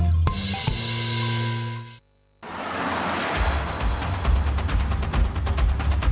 สวัสดีครับ